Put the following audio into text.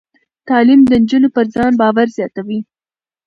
تعلیم د نجونو پر ځان باور زیاتوي.